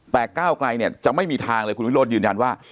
แต่ก้าวไกลเนี่ยจะไม่มีทางเลยคุณวิโรธยืนยันว่า